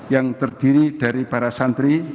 yang terdiri dari para santri